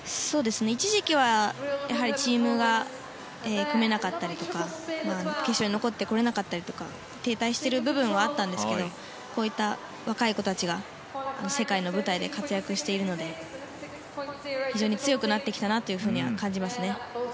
一時期は、やはりチームが組めなかったりとか決勝に残ってこれなかったり停滞している部分はあったんですがこういった若い子たちが世界の舞台で活躍しているので非常に強くなってきたなと感じますね。